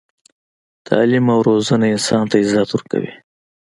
تعلیم او روزنه انسان ته عزت ورکوي.